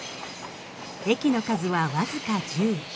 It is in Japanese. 駅の数はわずか１０。